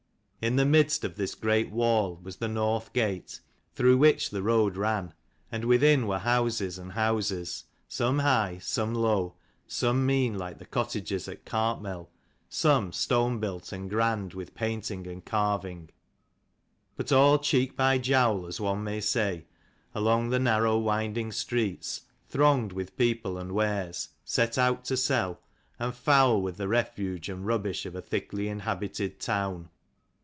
In the midst of this great wall was the North gate, through which the road ran ; and within were houses and houses, some high, some low, some mean like the cottages at Cartmel, some stone built and grand with painting and carving : but all cheek by jowl, as one may say, along the narrow winding streets, thronged with people and wares set out to sell, and foul with the refuse and rubbish of a thickly inhabited town.